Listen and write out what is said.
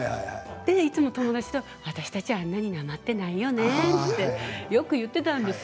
で、いつも友達と私たちあんなになまっていないよねとよく言っていたんです。